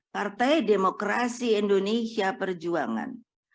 partai demokrasi indonesia perjuangan